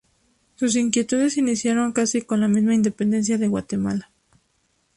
Sus inquietudes iniciaron casi con la misma independencia de Guatemala.